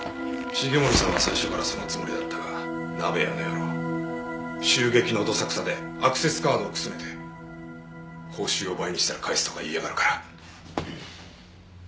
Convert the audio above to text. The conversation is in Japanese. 繁森さんは最初からそのつもりだったが鍋谷の野郎襲撃のどさくさでアクセスカードをくすねて報酬を倍にしたら返すとか言いやがるから。